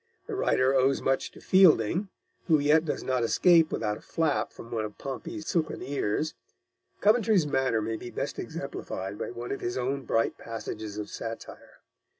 The writer owes much to Fielding, who yet does not escape without a flap from one of Pompey's silken ears. Coventry's manner may be best exemplified by one of his own bright passages of satire.